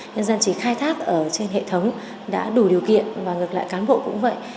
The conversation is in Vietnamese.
nhân dân chỉ khai thác ở trên hệ thống đã đủ điều kiện và ngược lại cán bộ cũng vậy